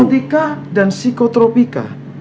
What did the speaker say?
lalu dikah dan psikotropi kah